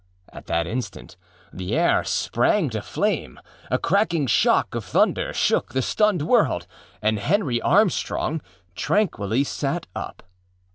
At that instant the air sprang to flame, a cracking shock of thunder shook the stunned world and Henry Armstrong tranquilly sat up.